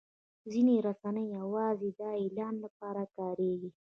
ځینې رسنۍ یوازې د اعلان لپاره کارېږي.